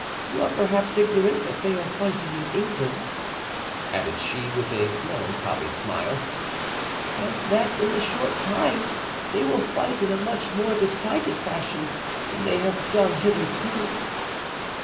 You are perhaps ignorant that they are fighting in England," added she, with a melancholy smile, "and that in a short time they will fight in a much more decided fashion than they have done hitherto."